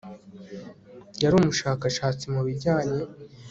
Yari umushakashatsi mu bijyanye